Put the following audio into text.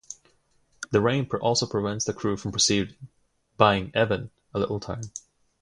The rain also prevents the crew from proceeding, buying Evan a little time.